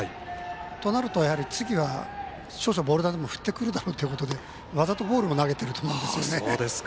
となると、やはり次は少々ボール球でも振ってくるだろうというところでわざとボールを投げているというところですよね。